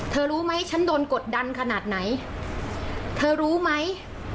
รู้ไหมฉันโดนกดดันขนาดไหนเธอรู้ไหม